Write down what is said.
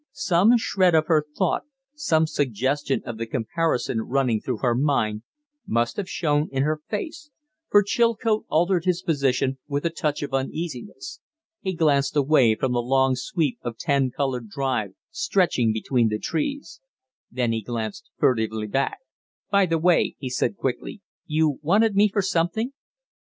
Some shred of her thought, some suggestion of the comparison running through her mind, must have shown in her face, for Chilcote altered his position with a touch of uneasiness. He glanced away across the long sweep of tan covered drive stretching between the trees; then he glanced furtively back. "By the way," he said, quickly, "you wanted me for something?"